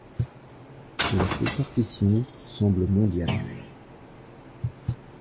Leur répartition semble mondiale.